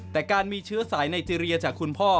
แต่การมีเชื้อสายไนเจรียจากคุณพ่อ